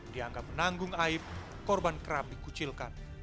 dianggap menanggung aib korban kerap dikucilkan